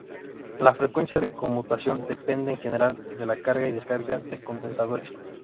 La frecuencia de conmutación depende, en general, de la carga y descarga de condensadores.